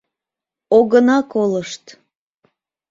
— Огына колышт!